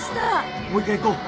もう一回行こう。